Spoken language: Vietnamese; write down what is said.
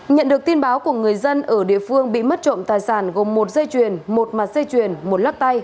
nhận được tin báo của người dân ở địa phương bị mất trộm tài sản gồm một dây chuyền một mặt dây chuyền một lắc tay